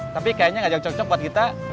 tapi kayaknya gak cocok buat kita